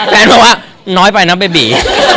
แหมนว่าน้อยไปาเบบ๊ี่